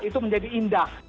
itu menjadi indah